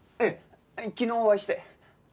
ええ昨日お会いして。